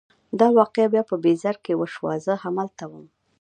دا واقعه بیا په بیزر کې وشوه، زه همالته وم.